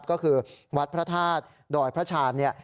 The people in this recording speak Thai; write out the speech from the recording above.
ก็คือวัดพระทาสดอยพระชาญ